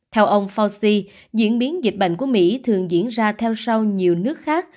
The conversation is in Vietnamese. theo ông fauci diễn biến dịch bệnh của mỹ thường diễn ra theo sau nhiều nước khác